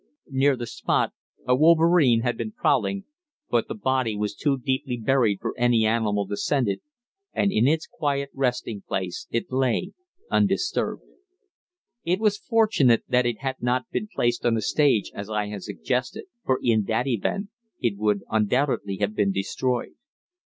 Near the spot a wolverine had been prowling, but the body was too deeply buried for any animal to scent it, and in its quiet resting place it lay undisturbed. It was fortunate that it had not been placed on a stage, as I had suggested; for in that event it would undoubtedly have been destroyed.